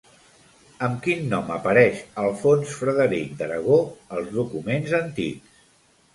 Amb quin nom apareix Alfons Frederic d'Aragó als documents antics?